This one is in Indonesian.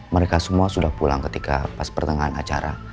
mereka semua sudah pulang ketika pas pertengahan acara